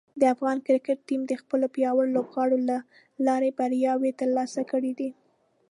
د افغان کرکټ ټیم د خپلو پیاوړو لوبغاړو له لارې بریاوې ترلاسه کړې دي.